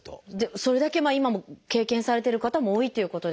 それだけ今も経験されてる方も多いっていうことですよね。